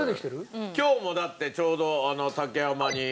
今日もだってちょうど竹山に。